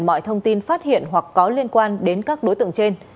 mọi thông tin phát hiện hoặc có liên quan đến các đối tượng trên